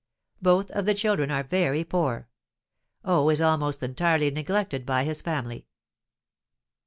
Both of the children are very poor. O is almost entirely neglected by his family.